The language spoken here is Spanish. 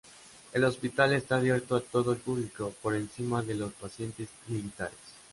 El hospital está abierto a todo el público, por encima de los pacientes militares.